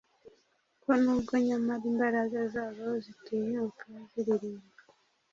Ko nubwo nyamara imbaraga zayo zitinyuka ziririmba